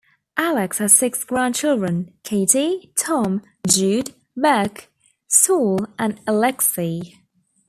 Alex has six grandchildren; Katie, Tom, Jude, Beck, Saul and Aleksei.